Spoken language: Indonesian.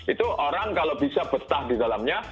itu orang kalau bisa betah di dalamnya